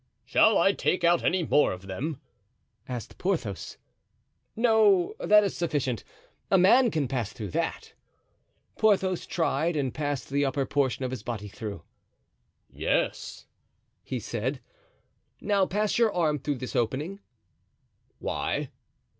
"Shall I take out any more of them?" asked Porthos. "No; that is sufficient; a man can pass through that." Porthos tried, and passed the upper portion of his body through. "Yes," he said. "Now pass your arm through this opening." "Why?"